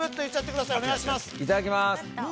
いただきます！